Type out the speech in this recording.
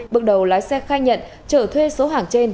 bước đầu lái xe khai nhận trở thuê số hàng trên